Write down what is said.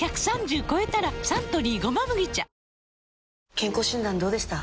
健康診断どうでした？